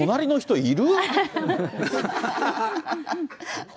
いる？